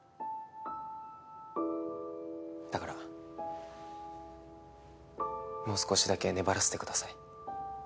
だからもう少しだけ粘らせてください。